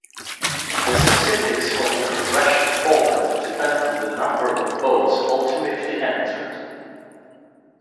The specifics of the progression format depend on the number of boats ultimately entered.